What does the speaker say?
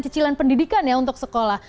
kecilan pendidikan ya untuk sekolah